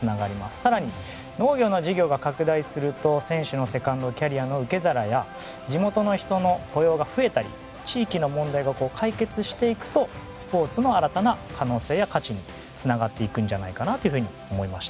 さらに農業の事業が拡大すると選手のセカンドキャリアの受け皿や地元の人の雇用が増えたり地域の問題が解決していくとスポーツも新たな可能性や価値につながると思いました。